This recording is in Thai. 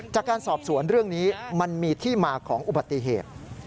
จากการสอบสวนเรื่องนี้มันมีที่มาของอุบัติเหตุ